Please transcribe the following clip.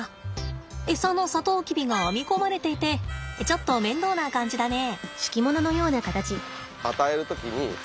エサのサトウキビが編み込まれていてちょっと面倒な感じだね。